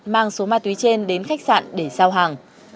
mang số ma túy trên đến khách sạn để giao hàng